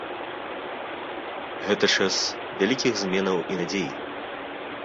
Гэта час вялікіх зменаў і надзей.